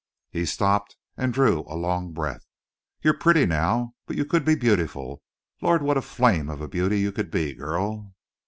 He stopped and drew a long breath. "You're pretty now, but you could be beautiful. Lord, what a flame of a beauty you could be, girl!"